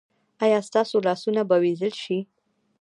ایا ستاسو لاسونه به وینځل شي؟